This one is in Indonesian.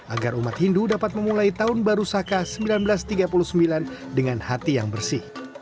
agar umat hindu dapat memulai tahun baru saka seribu sembilan ratus tiga puluh sembilan dengan hati yang bersih